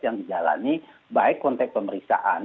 yang dijalani baik konteks pemeriksaan